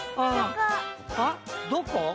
あっどこ？